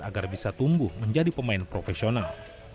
agar bisa tumbuh menjadi pemain profesional